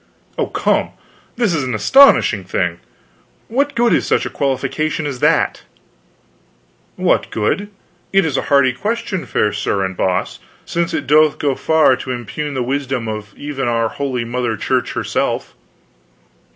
"Oh, come, this is an astonishing thing. What good is such a qualification as that?" "What good? It is a hardy question, fair sir and Boss, since it doth go far to impugn the wisdom of even our holy Mother Church herself."